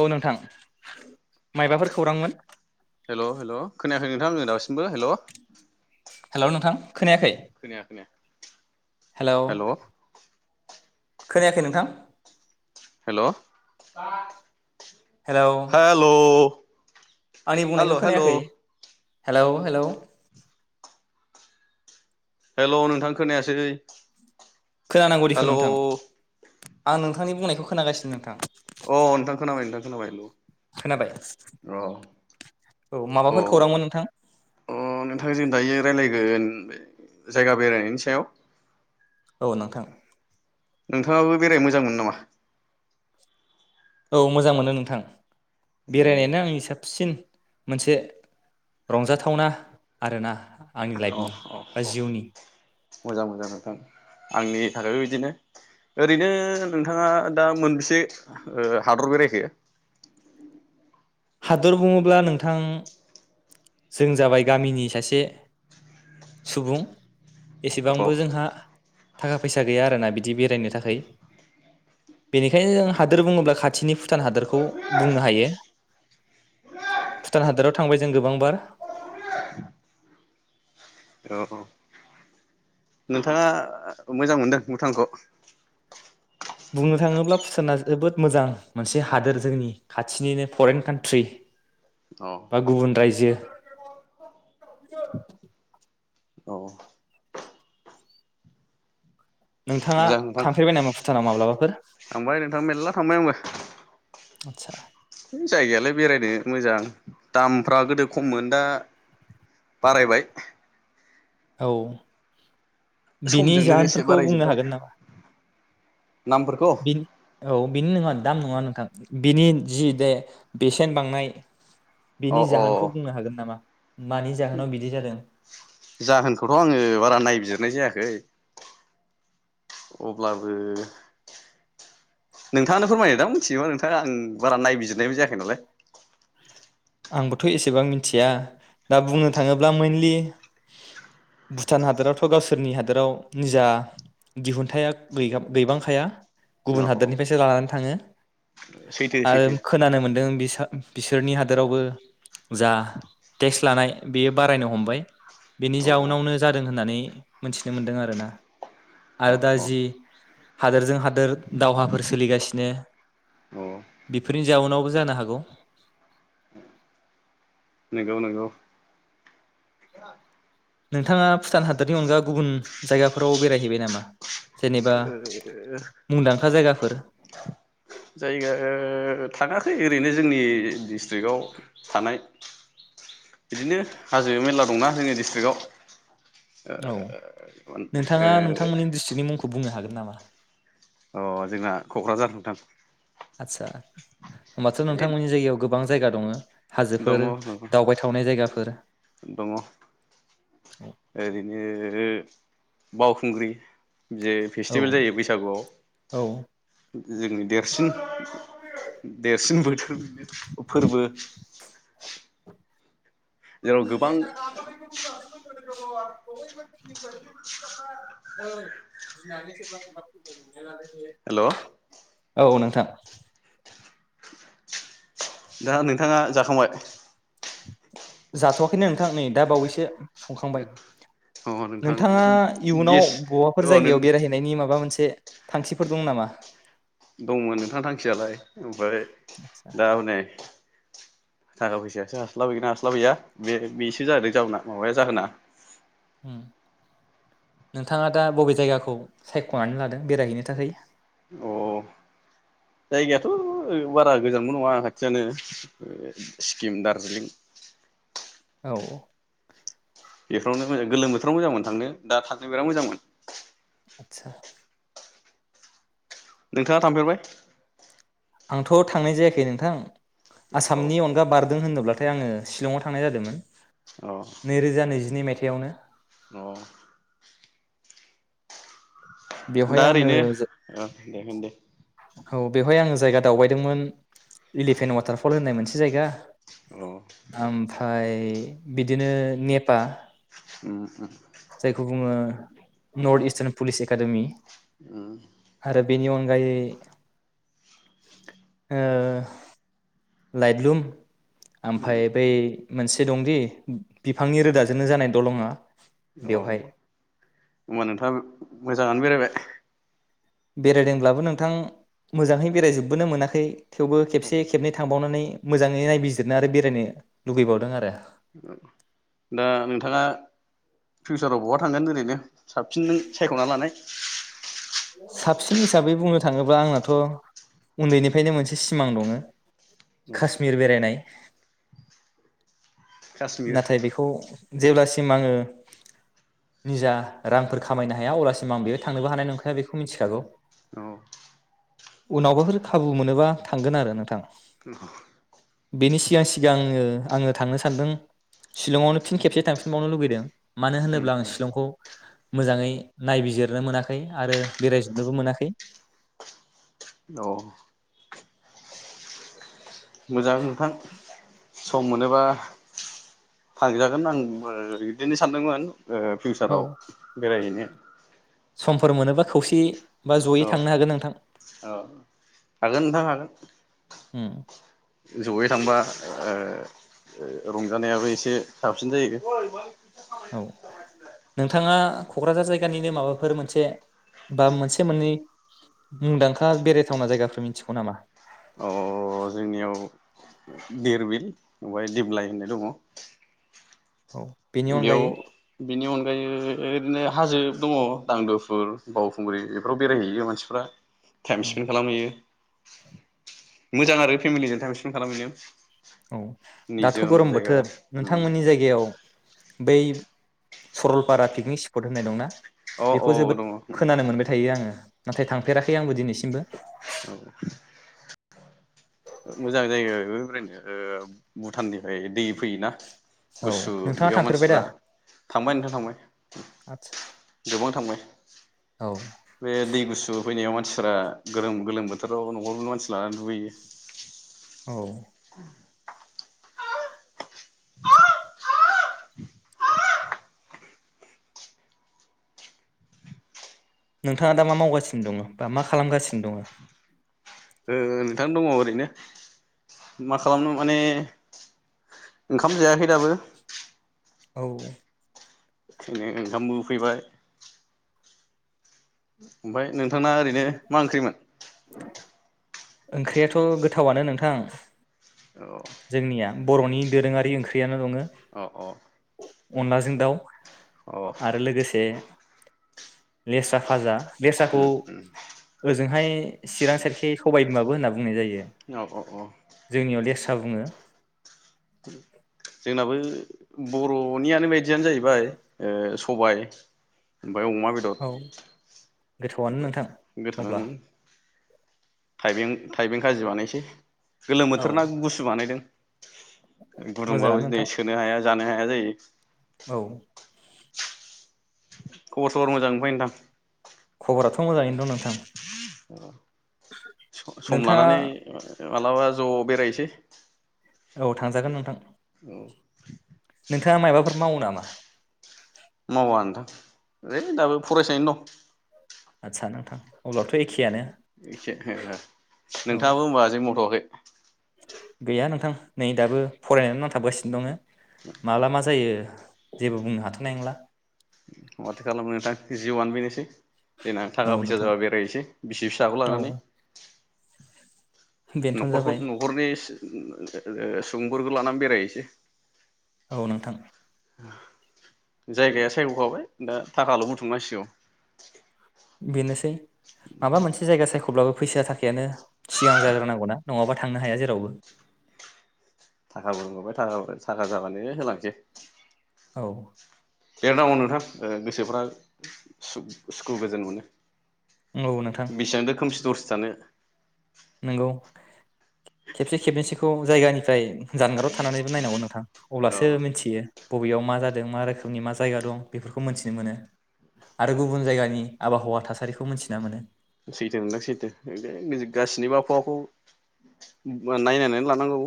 औ नोंथां माइबाफोर खौरांमोन हेल' हेल' खोनायाखै नोंथां आङो दासिमबो हेल' हेल' नोंथां खोनायाखै खोनाया खोनाया हेल'। हेल'। हेलौ हेल'। आंनि बुंनायखौ हेल' खोनायाखै। Hello hello. हेल' नोंथां खोनायासै। खोनानांगौ दिखौ नोंथां आं नोंथांनि बुंनाय। खौ खोनागासिनो नोंथां। अ नोंथां खोनाबाय नोंथां खोनाबायल'। खोनाबाय औ माबाफोर खौरांमोन नोंथां? ओ जायगा बेरायनायनि सायाव। औ नोंथां। नोंथाङाबो बेरायनो मोजांमोनो नामा? औ मोजां मोनो नोंथां अ बेरायनायानो आंनि साबसिन मोनसे रंजाथावना आरो ना। आंनि अ लाइफनि अ बा अ जिउनि। [inaudible] मोजां मोजां नोंथां आंनि थाखायबो बिदिनो ओरैनो नोंथाङा दा मोनबेसे हादर बेरायखो? हादर बुङोब्ला नोंथां। जों जाबाय गामिनि सासे सुबुं। औ एसेबांबो जोंहा। थाखा फैसा गैया आरोना बिदि बेरायनो थाखाय बेनिखायनो जों हादोर बुङोब्ला खाथिनि भुटान हादोरखौ बुंनो हायो भुटान हादराव थांबाय जों गोबांबार। [unintelligible] औ औ नोंथाङा मोजां मोनदों भुटानखौ? बुंनो थाङोब्ला भुटाना जोबोद मोजां मोनसे हादोर जोंनि खाथिनिनो फरेन कान्ट्रि औ बा गुबुन रायजो। औ नोंथाङा मोजां नोंथां थांफेरबाय नामा भुटानाव माब्लाबाफोर थांबाय नोंथां मेरला थांबाय आंबो आतसा जायगायालाय बेरायनो मोजां दामफ्रा गोदो खममोन दा बारायबाय औ बिनि समजों लोगोसे जाहोनफोरखौ बुंनो बारायजोब्बाय हागोन नामा? नामफोरखौ बिनि औ बिनि नङा दाम नङा नोंथां बिनि जि दे बेसेन बांनाय अ बिनि अ जाहोनखौ बुंनो हागोन नामा? मानि जाहोनाव बिदि जादों जाहोनखौथ' आङो बारा नायबिजिरनाय जायाखै अब्लाबो नोंथाङानो फोरमायो दां मिथियो नोंथाङा आं बारा नायबिजिरनायबो जायाखै नालाय आंबोथ' एसेबां मिथिया दा बुंनो थाङोब्ला मेइनलि भुटान हादोरावथ' गावसोरनि हादोराव निजा दिहुनथाया गैया गैबांखाया औ गुबुन औ हादोरनिफ्रायसो लानानै थांङो सैथो आरो सैथो खोनानो मोनदों बिसा बिसोरनि हा हादोरावबो जा टेक्स लानाय बेयो बारायनो हमबाय बेनि औ जाउनावनो जादों होननानै मोनथिनो मोनदों आरोना औ आरो दा औ जि हादोरजों हादोर दावहाफोर सोलिगासिनो औ बेफोरनि जाउनावबो जानो हागौ नोंगौ नोंगौ नोंथाङा भुटान हादरनि अनगा गुबुन जायगाफोराव बेरायहैबाय नामा जेनेबा मुंदांखा जायगा फोर जायगा ओ थांङाखै ओरैनो जोंनि डिस्ट्रिकआव थानाय बिदिनो हाजो मेरला दंना जोंनि डिस्ट्रिक्टआव औ नोंथाङा नोंथांमोननि डिस्ट्रिक्टनि मुंखौ बुंनो हागोन नामा अ जोंना कक्राझार नोंथां आदसा होमबाथ ओइ नोंथांमोननि जायगायाव गोबां जायगा दंङ हाजोफोर दावबायथावनाय जायगाफोर दंङ ओरैनो बावखुंग्रि जे औ फेस्टिभेल जायो बैसागुआव औ जोंनि देरसिन देरसिनबोथ [unintelligible] फोरबो [unintelligible] जेराव गोबां [unintelligible] हेल' औ नोंथां दा नोंथांङा जाखांबाय जाथ'वाखै नो नोंथां नै दा बावैसो संखांबाय अ नोंथां नोंथाङा इयुनाव गेस बबाफोर अ नों जायगायाव बेरायहैनायनि माबा मोनसे ए थांखिफोर दं नामा दंमोन नोंथां थांखियालाय ओमफ्राय आदसा दा हनै थाखा फैसायासो हास्लाबगोना हास्लाबैया बे बेसो जाद जाहोनना माबाया जाहोना उम नोंथाङा दा बबे जायगाखौ सायख'नानै लादों बेरायहैनो थाखाय अ जायगायाथ बारा गोजानबो नंङा खाथियानो सिक्किम दार्जिलिं औ बेफोरावनो मोजां गोलोम बोथोराव मोजांमोन थांनो दा थनो बिराद मोजांमोन आतसा नोंथांङा थांफेरबाय आंथ थांनाय जायाखै नोंथां औ आसामनि अनगा बारदों होनोब्ला नाथाय आंङो शिंलंआव थांनाय जादोंमोन नैरोजा नैजिनै मायथाइ। बेयावनो अ बेवहाय दा आङो ओरैनो औ दे होन दे औ बेवहाय आङो जायगा दावबायदोंमोन एलिफेन वाटारफल होननाय मोनसे जायगा औ ओमफाय बिदिनो नेपा उम जायखौ बुङो नर्थ इसट्रान पुलिस एका एकाडेमि। उम। बेनि अनगायै लाइटलुम। उम ओमफ्राय बै मोनसे दंदि बिफांनि रोदाजोंनो जानाय दलङा औ बेवहाय होनबा नोंथाङा मोजाङानो बेरायबाय। बेरायदोंब्लाबो नोंथां मोजाङै बेरायजोबबोनो मोनाखै। थेवबो औ खेबसे खेबनै थांबावनानै मोजाङै नायबिजिरनो आरो बेरायनो लुुबैबावदों आरो। दा नोंथाङा फिउचाराव बहा थांगोन ओरैनो? साबसिनजों सायख'ना लानाय साबसिन हिसाबै बुंनो थाङोब्ला आंनाथ' उन्दैनिफ्रायनो मोनसे सिमां दङो। औ काश्मिर बेरायनाय काश्मिर नाथाय बेखौ जेब्लासिम आङो निजा रांफोर खामायनो हाया अब्लासिम आं बेयो थांनोबो हानाय नंखाया बेखौ मिथिखागौ। नंगौ। उनावबाफोर खाबु मोनोबा थांगोन आरो नोंथां। [inaudible] बेनि सिगां सिगां ओ आङो थांनो सान्दों शिलंआवनो फिन खेबसे थांफिनबावनो लुुबैदों मानो उम होनोब्ला आं उम शिलंखौ मोजाङै नायबिजिरनो मोनाखै आरो बेरायजोबनोबो मोनाखै। औ। मोजां नोंथां सम मोनोबा फागजागोन आं बो इदिनो सानदोंमोन। ओ फिउसाराव बेरायहैनो। समफोर मोनोबा खौसेयै औ औ हागोन नोंथां हागोन। उम। जयै थांबा ओ ओ रंजानायाबो एसे साबसिन जायो। औ नोंथाङा क'क्राझार जायगानिनो माबाफोर मोनसे बा मोनसे मोननै मुंदांखा बेरायथावना जायगाफोर मिथिगौ नामा। देरबिल ओफाय दिबलाय होननाय दङ। औ बेनि बेयाव अनगायै बिनि अनग ओमफायो ओरैनो हाजो दङ' दांदोफोर बावखुंग्रि इफोराव बेरायहैयो मानसिफ्रा। औ टाइम स्पेन्ड खालामहैयो। मोजां आरो फेमिलिजों टाइम स्पेन्ड खालामहैनो। औ दाथ' निजोम गरम जायगा बोथोर उम नोंथांमोननि जायगायाव। बै सरलपारा पिकनिक स्पट होननाय दंना। अ अ बेखौ जोबोद दङ खोनानो मोनबाय थायो आङो। नाथाय थांफेराखै आंबो दिनैसिमबो। औ। मोजां जायगाया बेबो बेरायनो ओ भुटाननिफाय दै फैयोना। औ गुसु नोंथाङा बेयाव थांफेरबाय दा मानसिफ्रा थांबाय नोंथां थांबाय आदसा गोबां थांबाय। औ [inaudible] बे दै गुसु फैनायाव मान मानसिफ्रा गोलोम-गोलोम बोथोराव न'आवनो मानसि लानानै दुगैहैयो। औ। [inaudible] नोंथाङा दा मा मावगासिनो दङो बा मा खालामगासिनो दङो। ओ नोंथां दङ ओरैनो मा खालामनो माने ओंखाम जायाखै दाबो। औ। [unintelligible] ओंखामबो उखैबाय। ओमफाय नों नोंथांआ ओरैनो मा ओंख्रिमोन ओंख्रियाथ' गोथावनो नोंथां औ जोंनिया बर'नि दोरोङारि ओंख्रियानो दङ अ अ अनलाजों दाउ अ आरो लोगोसे लेस्रा फाजा लेस्राखौ उम उम ओजोंहाय चिरां सायटखै सबाय बिमाबो होनना बुंनाय जायो औ अ अ [unintelligible] बुङो जोंनाबो बर'नियानो बायदियानो जाहैबाय सबाय ओमफ्राय अमा बेदर गोथावआनो ओमफ्राय नोंथां। अब्ला गोथां थाइबें थाइबें खाजि बानायसै गोलोम बोथोर ना गुसु बानायदों गुदुंबाबो मोजाङानो दिनै नोंथां सोनो हाया जानो हाया जायो। औ। खबर सबर मोजां मोनफाय नोंथां खबराथ' मोजाङैनो दं नोंथां। [inaudible] सम लानानै मालाबा ज' बेरासै दे औ थांजागोन नोंथां। औ। दा माबाफोर मावो नामा? मावा नोथां ओइ दाबो फरायसायानो दं। आदसा नोंथां अब्लाथ' एखेयानो। एखे औ नोंथाङाबो होनोमबा जेबो मथ'वाखै? [inaudible] गैया नोंथां नै दाबो फरायनानै नांथाबगासिनो दङ माला मा जायो जेबो बुंनो हाथ'नाय नंला माथो खालामो नोंथां जिउआनो बेनोसै देनां थाखा औ फैसा नोंथां जाबा बेरायहसै बिसि फिसाखौ औ लानानै बेनोथ' न'खरखौ जाबाय न'खरनि। अ अ सफोरखौ लानानै बेरायहैसै। औ नोंथां। जायगाया सायख'खाबाय। दा थाखाल' बुथुमनांसिगौ। बेनोसै माबा मोनसे जायगा सायख'ब्लाबो फैसा थाखायानो सिगां जाग्रोनांगौ ना? नङाबा थांनो हाया जेरावबो थाखाबो रोंहरबाय थाखाब थाखा जाबानो होलांसै। औ। देरनाव नथां गोसोफ्रा सुखु गोजोन मोनो। औ नोंथां बेसेबांथो खोमसि दरसि जानो नंगौ खेबसे खेबनैसखौ जायगानिफ्राय जानगाराव थानानैबो नायनांगौ नोंथां। औ अब्लासो मिथियो। बबेयाव मा जादों मा रोखोमनि मा जायगा दं बेफोरखौ मोनथिनो मोनो आरो गुबुन जायगानि आबहावा थासारिखौ मोनथिना मोनो। सैथो नोंदां सैथो गासैनिबो आबहावाखौ नायनानै लानांगौ।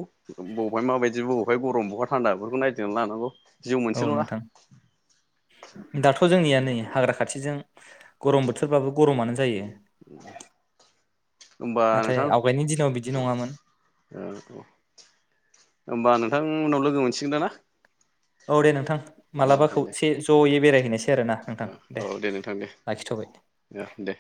बबेहाय माबायदिब बहाय गरम बहा थान्दाफोरखौ नायगिदिंना लानांगौ। जिउ औ मोनसेल'ना नोंथां दाथ' जोंनिया नै हाग्रा खाथिजों गरम बोथोरबाबो गरमानो जायो। होनबा नाथाय नोंथां आवगायनि दिनाव बिदि औ नङामोन औ होमबा नोंथां उनाव लोगो मोनसिगोनदा ना। औ दे नोंथां मालाबा औ दे खौसे ज'यै बेरायहैनोसै। सेै आरोना नोंथां दे औ नोंथां दे लाखिथ'बाय औ दे